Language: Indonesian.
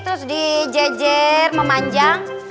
terus dijeger memanjang